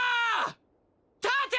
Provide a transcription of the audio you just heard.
立て！